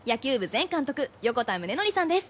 前監督横田宗典さんです